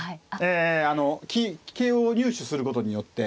ええあの桂を入手することによって。